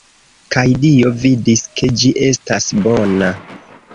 Kaj Dio vidis, ke ĝi estas bona.